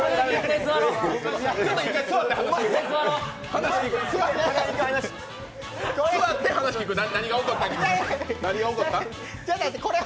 座って話を聞く、何が起こった？